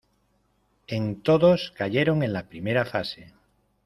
En todos cayeron en la primera fase.